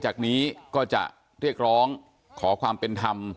จากนี้ก็จะเรียกร้องขอความเป็นธรรม